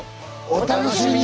お楽しみに！